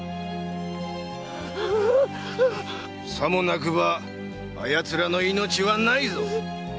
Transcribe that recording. さもなくばあ奴らの命はないぞ。